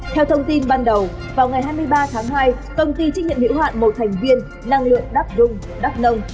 theo thông tin ban đầu vào ngày hai mươi ba tháng hai công ty trích nhận biểu hoạn một thành viên năng lượng đắk dung đắk nông